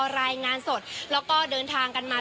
รายงานสดแล้วก็เดินทางกันมา